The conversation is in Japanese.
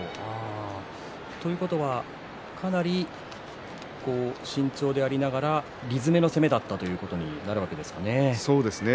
ということはかなり慎重でありながら理詰めの攻めだったそうですね